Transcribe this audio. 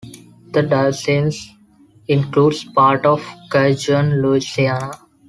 The diocese includes part of Cajun Louisiana.